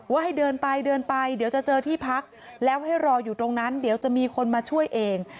ให้เดินไปเดินไปเดี๋ยวจะเจอที่พักแล้วให้รออยู่ตรงนั้นเดี๋ยวจะมีคนมาช่วยเอง